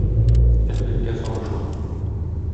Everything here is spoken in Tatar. Этлеккә сабышу.